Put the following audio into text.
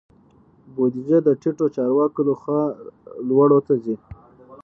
بودیجه د ټیټو چارواکو لخوا لوړو ته ځي.